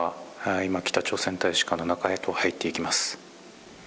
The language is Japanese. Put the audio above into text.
今、北朝鮮大使館の中へと入っていきます。